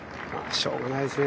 しょうがないですね